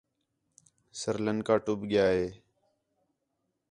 سر لنکا ٹُٻ ڳیا ہے